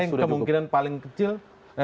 kemungkinan paling kecil